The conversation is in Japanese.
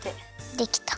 できた。